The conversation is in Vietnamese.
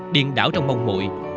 điên đảo trong mong mụi